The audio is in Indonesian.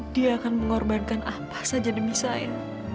dia akan mengorbankan apa saja demi saya